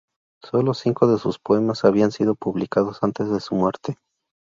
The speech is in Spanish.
Solo cinco de sus poemas habían sido publicados antes de su muerte.